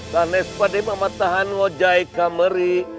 saneh spade mamatahan wajai kameri